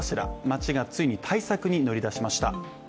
町がついに対策に乗り出しました。